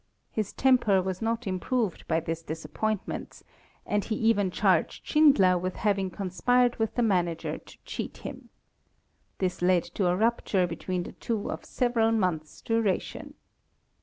His temper was not improved by these disappointments, and he even charged Schindler with having conspired with the manager to cheat him. This led to a rupture between the two of several months' duration.